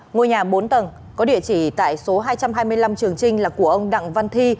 ngôi nhà bốn tầng có địa chỉ tại số hai trăm hai mươi năm trường trinh là của ông đặng văn thi